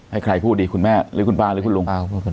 ให้ใครพูดดีคุณแม่หรือคุณป้าหรือคุณลุง